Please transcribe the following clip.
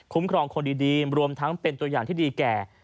ครองคนดีรวมทั้งเป็นตัวอย่างที่ดีแก่